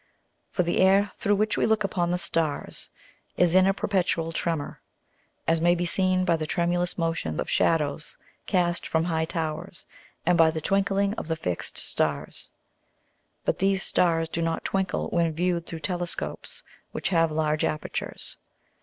For the Air through which we look upon the Stars, is in a perpetual Tremor; as may be seen by the tremulous Motion of Shadows cast from high Towers, and by the twinkling of the fix'd Stars. But these Stars do not twinkle when viewed through Telescopes which have large apertures.